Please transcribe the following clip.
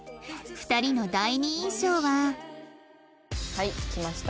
２人の第二印象ははいきました。